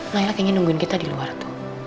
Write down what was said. nailah kayaknya nungguin kita di luar tuh